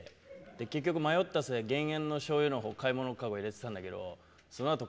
結局、迷った末減塩のしょうゆの方を買い物かごへ入れてたんだけどそのあと